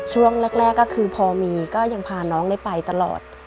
ช่วงแรกก็คือพอมีก็ยังพาน้องได้ไปตลอด